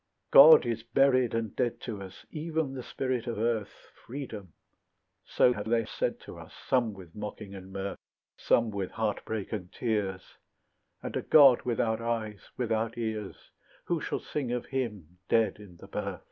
God is buried and dead to us, Even the spirit of earth, Freedom; so have they said to us, Some with mocking and mirth, Some with heartbreak and tears; And a God without eyes, without ears, Who shall sing of him, dead in the birth?